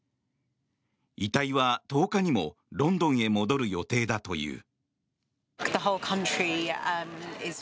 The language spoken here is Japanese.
遺体は１０日にもロンドンへ戻る予定だという。